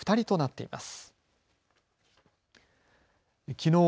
きのう